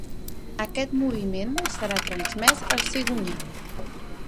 Aquest moviment serà transmès al cigonyal.